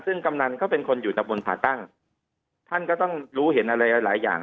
ซึ่งกำนันก็เป็นคนอยู่ตะบนผ่าตั้งท่านก็ต้องรู้เห็นอะไรหลายหลายอย่าง